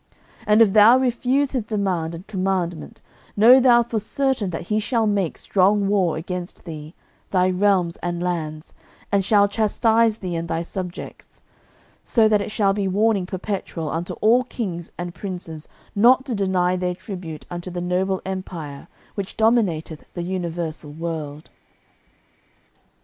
And if thou refuse his demand and commandment, know thou for certain that he shall make strong war against thee, thy realms and lands, and shall chastise thee and thy subjects, so that it shall be warning perpetual unto all kings and princes not to deny their tribute unto the noble empire which dominateth the universal world."